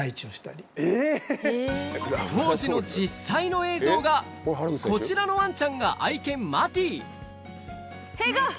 当時の実際の映像がこちらのワンちゃんが愛犬マティ・ヘイゴー！